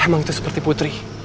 emang itu seperti putri